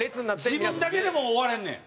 自分だけでも終われんねや。